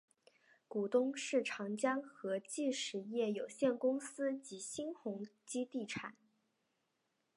股东是长江和记实业有限公司及新鸿基地产。